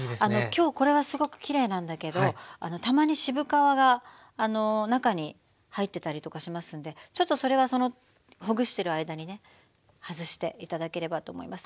今日これはすごくきれいなんだけどたまに渋皮が中に入ってたりとかしますんでちょっとそれはそのほぐしてる間にね外して頂ければと思います。